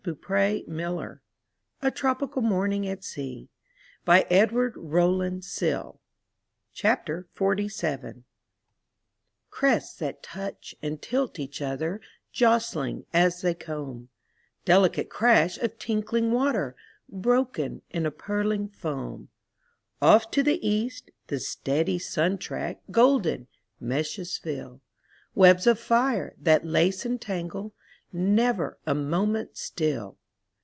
208 THROUGH FAIRY HALLS A TROPICAL MORNING AT SEA* Edward Rowland Sill Crests that touch and tilt each other Jostling as they comb; Delicate crash of tinkling water, Broken in pearling foam. Off to the East the steady sun track Golden meshes fill — Webs of fire, that lace and tangle, Never a moment still.